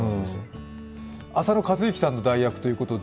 浅野和之さんの代役ということで？